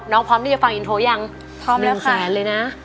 น้องพร้อมที่จะฟังอินโทรอย่างพร้อมแล้วค่ะหนึ่งแสนเลยนะ